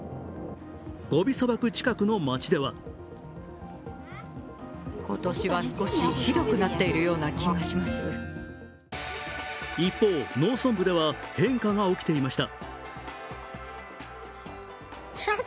ゴビ砂漠近くの街では一方、農村部では変化が起きていました。